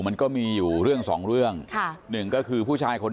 มีกล้วยติดอยู่ใต้ท้องเดี๋ยวพี่ขอบคุณ